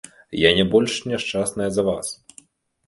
Я не больш няшчасная за вас.